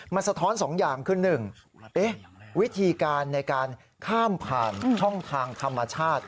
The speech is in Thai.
มันสะท้อน๒อย่างคือ๑วิธีการในการข้ามผ่านช่องทางธรรมชาติ